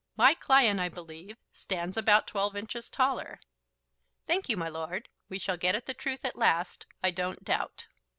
My client, I believe, stands about twelve inches taller. Thank you, my lord; we shall get at the truth at last, I don't doubt."